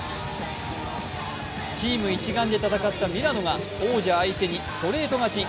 チーム一丸で戦ったミラノが王者相手にストレート勝ち。